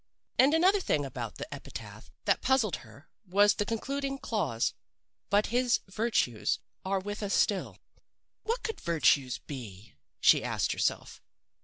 "And another thing about the epitaph that puzzled her was the concluding clause 'but his virtues are with us still.' What could virtues be? she asked herself.